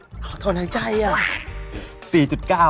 โอ้โหตนใจอ่ะ